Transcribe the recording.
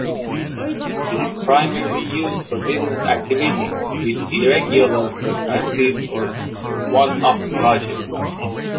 This is primarily used for business activities with irregular frequencies or one-off projects.